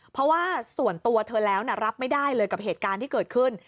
เพราะว่าส่วนตัวเธอแล้วรับไม่ได้เลยกับเหตุการณ์ที่เกิดขึ้น